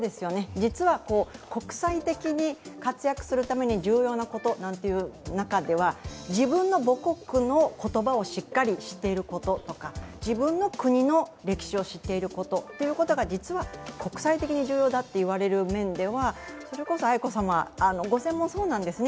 実は国際的に活躍するために重要なことという中では自分の母国の言葉をしっかり知っていることとか、自分の国の歴史を知っていることが実は国際的に重要だと言われる面では愛子さま、ご専門はそうなんですね